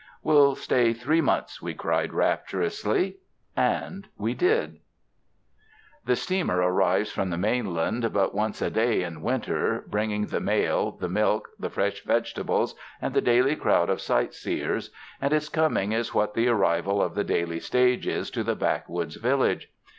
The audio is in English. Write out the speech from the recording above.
''We'll stay three months!" we cried raptur ously, and we did. 195 UNDER THE SKY IN CALIFORNIA The steamer arrives from the mainland but once a day in winter, bringing the mail, the milk, the fresh vegetables, and the daily crowd of sightseers, and its coming is what the arrival of the daily stage is to a backwoods village.